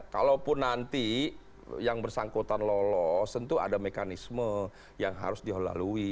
kalaupun nanti yang bersangkutan lolos tentu ada mekanisme yang harus dilalui